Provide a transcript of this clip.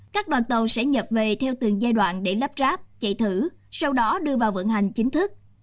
các đoàn tàu sẽ nhập về theo từng giai đoạn để lắp ráp chạy thử sau đó đưa vào vận hành chính thức